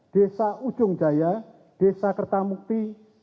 desa ujungjaya desa kertamukti